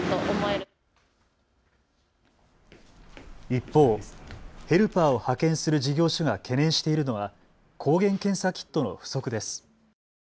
一方、ヘルパーを派遣する事業所が懸念しているのは抗原検査キットの不足です。